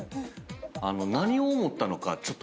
何を思ったのかちょっと。